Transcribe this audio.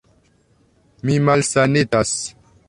Mi malsanetas.